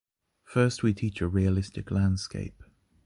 First we teach a realistic landscape